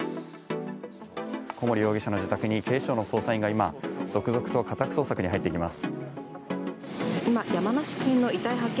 小森容疑者の自宅に警視庁の捜査員が今、続々と家宅捜索に入っていきます。